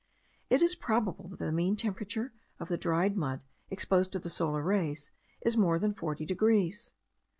It is probable that the mean temperature of the dried mud, exposed to the solar rays, is more than 40 degrees.